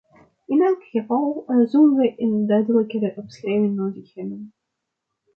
In elk geval zullen we een duidelijker omschrijving nodig hebben.